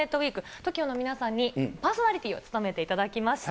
ＴＯＫＩＯの皆さんに、パーソナリティーを務めていただきました。